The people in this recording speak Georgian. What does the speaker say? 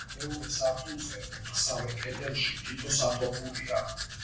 მეორე სართულზე, ოთხსავე კედელში, თითო სათოფურია.